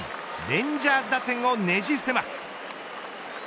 レンジャーズ打線をねじ伏せます。